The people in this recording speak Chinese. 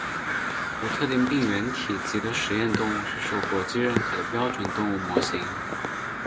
无特定病原体级的实验动物是受国际认可的标准动物模型。